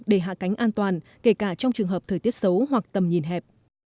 để hạ cánh an toàn kể cả trong trường hợp thời tiết xấu hoặc tầm nhìn hẹp